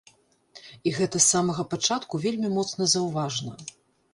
І гэта з самага пачатку вельмі моцна заўважна.